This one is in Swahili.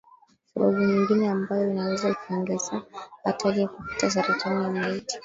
sababu nyingine ambayo inaweza ikaongeza hatari ya kupata saratani ya matiti